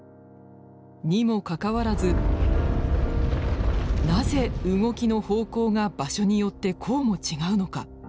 にもかかわらずなぜ動きの方向が場所によってこうも違うのか。